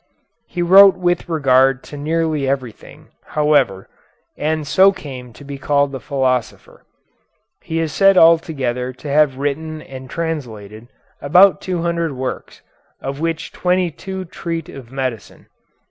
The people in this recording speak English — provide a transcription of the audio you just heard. He wrote with regard to nearly everything, however, and so came to be called the philosopher. He is said altogether to have written and translated about two hundred works, of which twenty two treat of medicine.